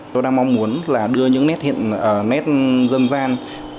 tôi đang mong muốn là đưa những nét dân gian